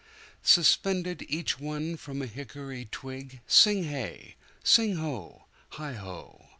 Suspended each one from a hickory twig Sing hey! sing ho! heigho!